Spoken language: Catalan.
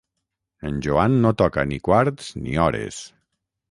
En Joan no toca ni quarts ni hores.